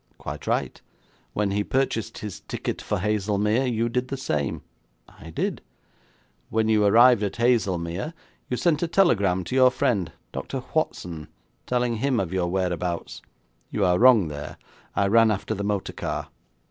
'Quite right.' 'When he purchased his ticket for Haslemere, you did the same.' 'I did.' 'When you arrived at Haslemere, you sent a telegram to your friend, Dr Watson, telling him of your whereabouts.' 'You are wrong there; I ran after the motor car.'